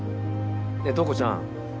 ねえ塔子ちゃん